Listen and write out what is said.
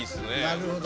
なるほど。